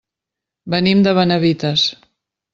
Venim de Benavites.